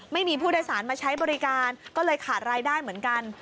ไม่มีผู้โดยสารมาใช้บริการก็เลยขาดรายได้เหมือนกัน